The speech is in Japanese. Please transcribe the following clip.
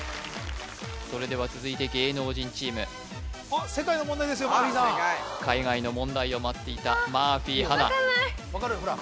それでは続いて芸能人チーム世界の問題ですよマーフィーさん海外の問題を待っていたマーフィー波奈あっ分かんない！